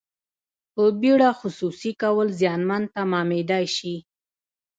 په بیړه خصوصي کول زیانمن تمامیدای شي.